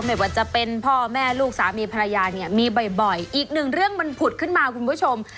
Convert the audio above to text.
ไม่ว่าจะเป็นพ่อแม่ลูกสามีภรรยาเนี่ยมีบ่อยอีกหนึ่งเรื่องมันผุดขึ้นมาคุณผู้ชม